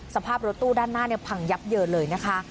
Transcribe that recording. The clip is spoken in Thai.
สภาพรถตู้ด้านหน้าพังยับเยินเลยนะคะ